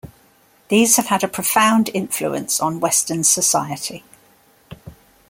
These have had a profound influence on Western society.